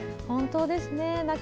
本当ですね。